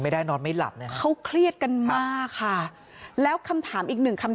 ไม่ได้นอนไม่หลับเขาเครียดกันมากค่ะแล้วคำถามอีกหนึ่งคำ